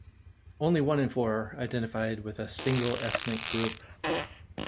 Only one in four identified with a single ethnic group.